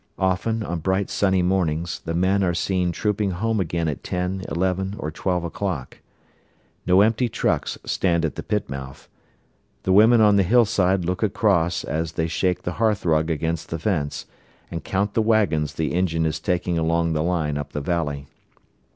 Often, on bright sunny mornings, the men are seen trooping home again at ten, eleven, or twelve o'clock. No empty trucks stand at the pit mouth. The women on the hillside look across as they shake the hearthrug against the fence, and count the wagons the engine is taking along the line up the valley.